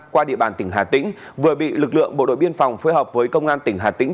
qua địa bàn tỉnh hà tĩnh vừa bị lực lượng bộ đội biên phòng phối hợp với công an tỉnh hà tĩnh